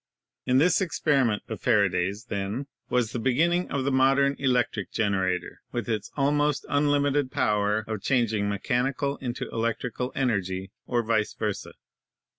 In this experiment of Faraday's, then, was the beginning of the modern electric generator with its almost unlimited power of changing mechanical into electrical energy or vice versa.